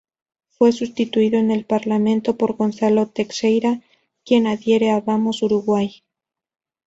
Fue sustituido en el Parlamento por Gonzalo Texeira, quien adhiere a Vamos Uruguay.